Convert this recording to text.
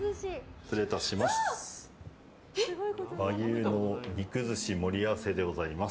失礼いたします。